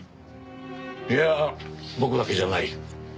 いや僕だけじゃない。